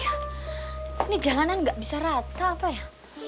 ini jalanan nggak bisa rata apa ya